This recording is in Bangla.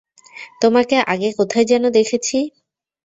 তোমাকে আগে কোথায় যেন দেখেছি?